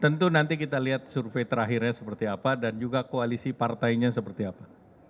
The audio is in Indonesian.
tentu nanti kita lihat survei terakhirnya seperti apa dan juga koalisi partainya seperti apa